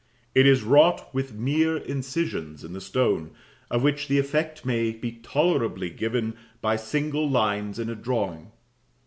It is wrought with mere incisions in the stone, of which the effect may be tolerably given by single lines in a drawing.